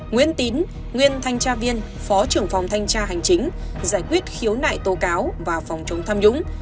nguyễn tín nguyên thanh tra viên phó trưởng phòng thanh tra hành chính giải quyết khiếu nại tố cáo và phòng chống tham nhũng